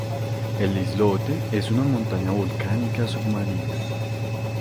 El islote es una montaña volcánica submarina.